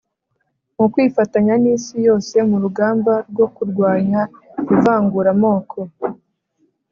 mukwifatanya n'isi yose mu rugamba rwo kurwanya ivanguramoko